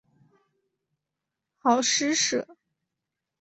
好施舍。